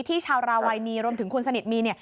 ที่ชาวราวัยมีรวมถึงคุณสนิทมี